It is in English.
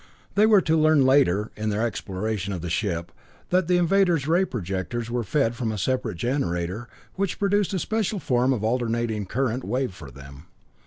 They were to learn later, in their exploration of the ship, that the invaders' ray projectors were fed from a separate generator, which produced a special form of alternating current wave for them.